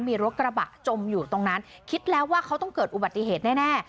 มีรถกระบะจมอยู่ตรงนั้นคิดแล้วว่าเขาต้องเกิดอุบัติเหตุแน่